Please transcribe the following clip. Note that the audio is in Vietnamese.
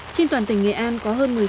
trên toàn tỉnh nghệ an có hơn một mươi sáu